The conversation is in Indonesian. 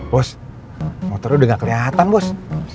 bos motornya udah gak kelihatan bos